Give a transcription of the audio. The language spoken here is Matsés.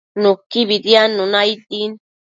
Nuquibi diadnuna aid din